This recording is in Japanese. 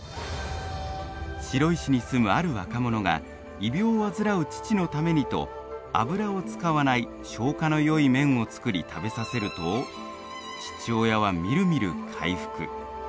白石に住むある若者が胃病を患う父のためにと油を使わない消化のよい麺を作り食べさせると父親はみるみる回復。